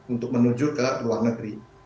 untuk menuju ke luar negeri